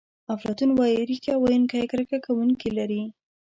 افلاطون وایي ریښتیا ویونکی کرکه کوونکي لري.